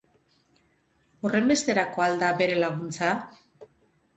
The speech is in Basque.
Horrenbesterako al da bere laguntza?